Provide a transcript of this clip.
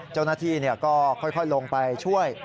เจ้าหน้าที่ก็ค่อยลงไปช่วย